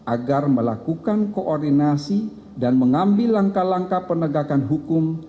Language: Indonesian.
agar melakukan koordinasi dan mengambil langkah langkah penegakan hukum